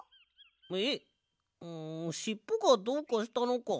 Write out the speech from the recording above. えっんしっぽがどうかしたのか？